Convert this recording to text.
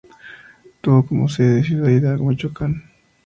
Tuvo como sede Ciudad Hidalgo, Michoacán.